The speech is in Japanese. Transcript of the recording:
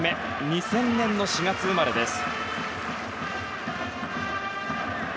２０００年の４月生まれです。